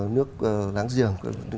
nước láng giềng